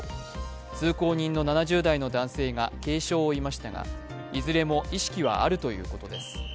通行人の７０代の男性が軽傷を負いましたが、いずれも意識はあるということです。